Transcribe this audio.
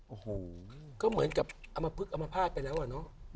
โอ้โหก็เหมือนกับเอามาพึกเอามาพาดไปแล้วอ่ะเนอะอืม